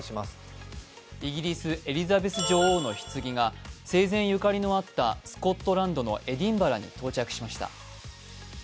イギリス・エリザベス女王のひつぎが生前ゆかりのあったスコットランドのエディンバラに到着しました。